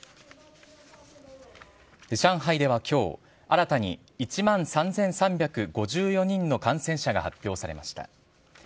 上海ではきょう、新に１万３３５４人の感染者が発表されました。